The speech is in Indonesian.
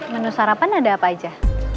menu sarapan ada apa aja